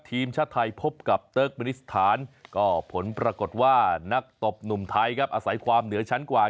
ทีมชาติไทยพบกับเติ๊กมินิสถานก็ผลปรากฏว่านักตบหนุ่มไทยครับอาศัยความเหนือชั้นกว่า